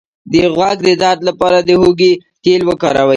د غوږ د درد لپاره د هوږې تېل وکاروئ